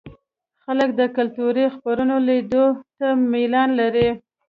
خلک د کلتوري خپرونو لیدو ته میلان لري.